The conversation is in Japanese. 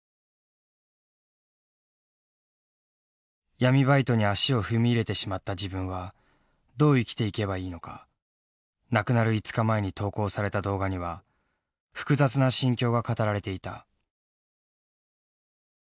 闇バイトに足を踏み入れてしまった自分はどう生きていけばいいのか亡くなる５日前に投稿された動画には複雑な心境が語られていた。